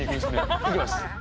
行きます。